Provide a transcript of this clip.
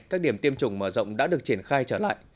các điểm tiêm chủng mở rộng đã được triển khai trở lại